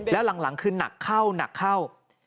แล้วหลังคือนักเข้า